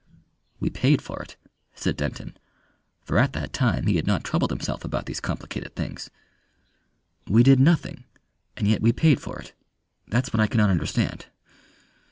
"We paid for it," said Denton, for at that time he had not troubled himself about these complicated things. "We did nothing and yet we paid for it. That's what I cannot understand."